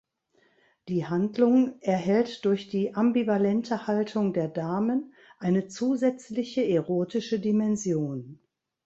Die Handlung erhält durch die ambivalente Haltung der Damen eine zusätzliche erotische Dimension.